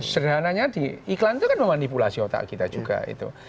sederhananya diiklan itu kan memanipulasi otak kita juga itu